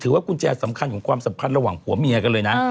ว่ากุญแจสำคัญของความสัมพันธ์ระหว่างผัวเมียกันเลยนะ